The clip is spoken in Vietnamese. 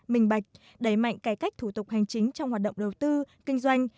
minh bạch đẩy mạnh cải cách thủ tục hành chính trong hoạt động đầu tư kinh doanh